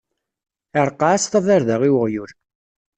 Iṛqeɛ-as tabarda i uɣyul.